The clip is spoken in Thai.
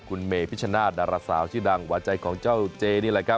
คุณเมเพี่ยชนะรดาราเสาชื่อดัง